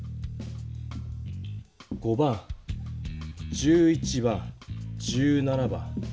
５番１１番１７番。